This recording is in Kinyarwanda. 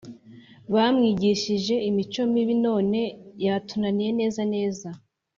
bamwigishije imico mibi none yatunaniye neza neza